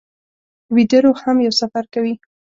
ویده روح هم یو سفر کوي